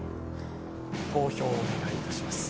投票をお願いいたします